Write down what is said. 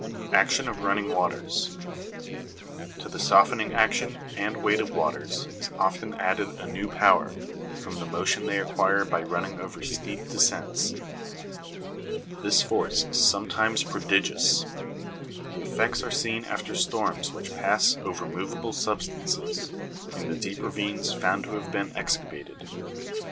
Action of running waters. To the softening action and weight of waters is often added a new power, from the motion they acquire by running over steep descents. This force is some times prodigious. The effects are seen after storms which pass over moveable substances, in the deep ravines found to have been excavated.